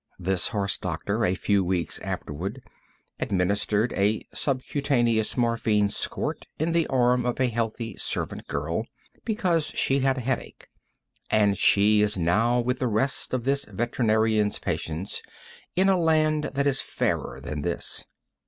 This horse doctor, a few weeks afterward, administered a subcutaneous morphine squirt in the arm of a healthy servant girl because she had the headache, and she is now with the rest of this veterinarian's patients in a land that is fairer than this.